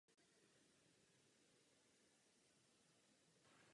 Zahlcení spotřebitele informacemi bude mít opačný účinek.